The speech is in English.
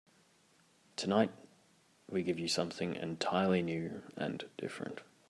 Tonight we give you something entirely new and different.